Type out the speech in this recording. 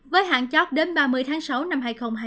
với hạn chót đến ba mươi tháng sáu năm hai nghìn hai mươi